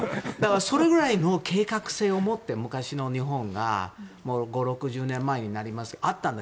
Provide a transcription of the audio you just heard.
それぐらいの計画性をもって昔の日本が５０６０年ぐらいにあったんです。